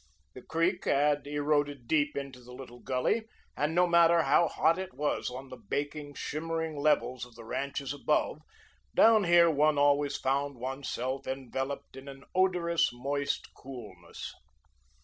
The creek had eroded deep into the little gully, and no matter how hot it was on the baking, shimmering levels of the ranches above, down here one always found one's self enveloped in an odorous, moist coolness.